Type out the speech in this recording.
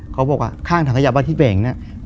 เขาบอกว่าข้างถังขยะบ้านที่แบ่งเนี่ย